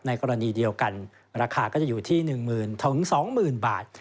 กรณีเดียวกันราคาก็จะอยู่ที่๑๐๐๐๒๐๐๐บาท